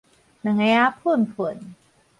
兩个仔噴噴